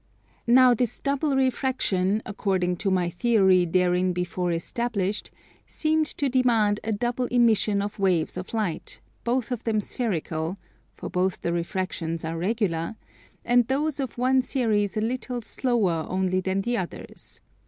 Now this double refraction, according to my Theory hereinbefore established, seemed to demand a double emission of waves of light, both of them spherical (for both the refractions are regular) and those of one series a little slower only than the others.